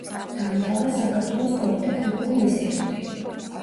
დაამთავრა საქართველოს პოლიტექნიკური ინსტიტუტი.